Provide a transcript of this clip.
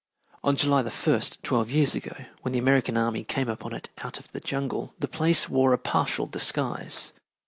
On July 1st, twelve years ago, when the American army came upon it out of the jungle the place wore a partial disguise.